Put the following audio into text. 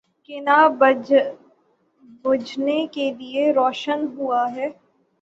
کہ نہ بجھنے کے لیے روشن ہوا ہے۔